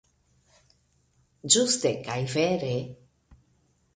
Ĝuste kaj vere.